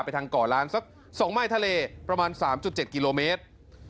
ไปทางก่อล้านสักสองไม้ทะเลประมาณสามจุดเจ็ดกิโลเมตร